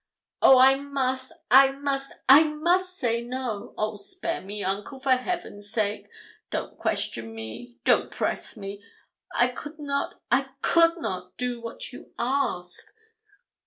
'Oh! I must I must I must say no. Oh! spare me, uncle, for Heaven's sake. Don't question me don't press me. I could not I could not do what you ask.'